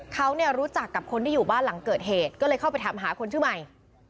เขาเนี่ยรู้จักกับคนที่อยู่บ้านหลังเกิดเหตุก็เลยเข้าไปถามหาคนชื่อใหม่